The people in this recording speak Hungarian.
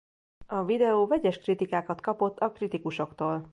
A videó vegyes kritikákat kapott a kritikusoktól.